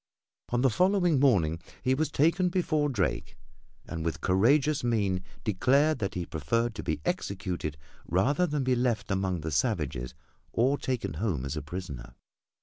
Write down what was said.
On the following morning he was taken before Drake and with courageous mien declared that he preferred to be executed rather than be left among the savages or taken home as a prisoner.